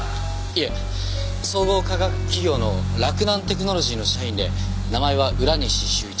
いえ総合化学企業の洛南テクノロジーの社員で名前は浦西修一。